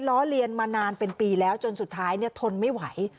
ล้อเลียนมานานเป็นปีแล้วจนสุดท้ายทนไม่ไหว